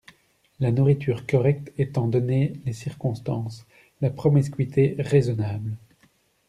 La nourriture correcte étant donné les circonstances, la promiscuité raisonnable.